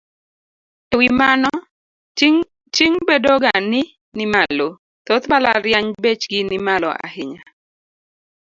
E wi mano, ting' bedo ga ni nimalo. Thoth mbalariany bechgi nimalo ahinya.